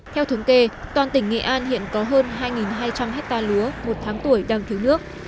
theo thống kê toàn tỉnh nghệ an hiện có hơn hai hai trăm linh hectare lúa một tháng tuổi đang thiếu nước